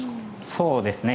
そうですね。